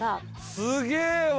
すげえわ！